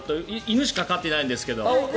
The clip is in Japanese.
犬しか飼ってないんですけど。